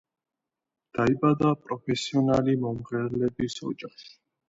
დაიბადა პროფესიონალი მომღერლების ოჯახში.